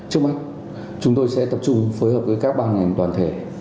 trước mắt chúng tôi sẽ tập trung phối hợp với các ban ngành toàn thể